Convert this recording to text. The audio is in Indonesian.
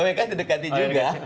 oh ya kan didekati juga